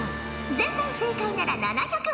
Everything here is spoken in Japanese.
全問正解なら７００